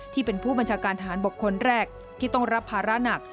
ที่เป็นผู้บัญชาการทหารบกคนแรกที่ต้องรับภาระหนัก